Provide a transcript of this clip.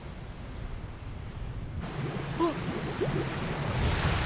あっ！